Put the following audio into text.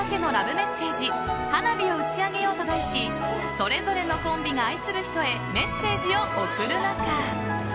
メッセージ花火を打ち上げよう」と題しそれぞれのコンビが愛する人へメッセージを送る中。